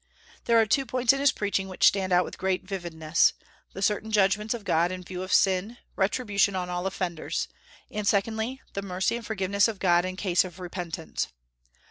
There are two points in his preaching which stand out with great vividness, the certain judgments of God in view of sin, retribution on all offenders; and secondly, the mercy and forgiveness of God in case of repentance.